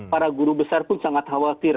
para guru besar pun sangat khawatir